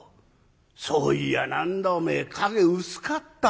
「そういや何だおめえ影薄かったわ」。